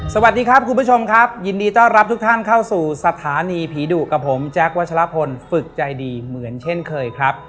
สวัสดีครับคุณผู้ชมครับยินดีต้อนรับทุกท่านเข้าสู่สถานีผีดุกับผมแจ๊ควัชลพลฝึกใจดีเหมือนเช่นเคยครับ